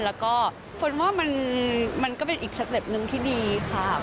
แล้วก็ฝนว่ามันก็เป็นอีกสเต็ปหนึ่งที่ดีค่ะ